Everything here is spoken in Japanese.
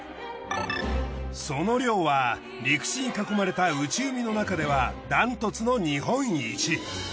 その量は陸地に囲まれた内海のなかではダントツの日本一。